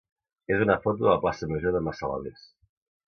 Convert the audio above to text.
és una foto de la plaça major de Massalavés.